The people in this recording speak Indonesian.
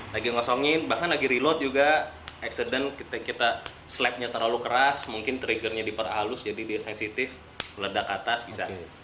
lagi ngosongin bahkan lagi reload juga accident kita slab nya terlalu keras mungkin triggernya diperhalus jadi dia sensitif ledak ke atas bisa